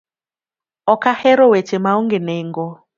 Ok a hero weche maonge nengo.